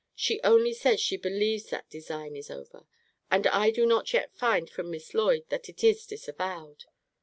She only says she believes that design is over. And I do not yet find from Miss Lloyd that it is disavowed.